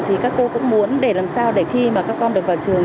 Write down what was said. thì các cô cũng muốn để làm sao để khi mà các con được vào trường